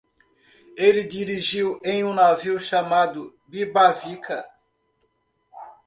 Ele dirigiu em um navio chamado Bibavica.